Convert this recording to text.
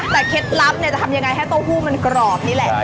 แต่เคล็ดลับเนี่ยจะทำยังไงให้เต้าหู้มันกรอบนี่แหละ